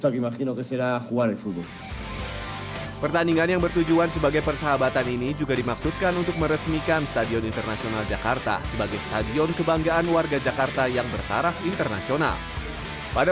dan mengingatkan mereka untuk melakukan apa yang mereka suka yang saya ingatkan adalah bermain bola